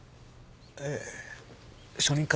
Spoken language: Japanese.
ええ初任科